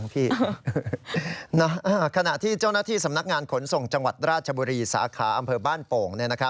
ปัจราชบุรีสาขาอำเภอบ้านโป่ง